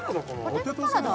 ポテトサラダ？